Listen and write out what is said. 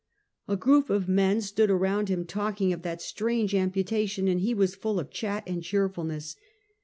A group of men stood around him, talk ing of that strange amputation, and he was full of chat and cheerfulness.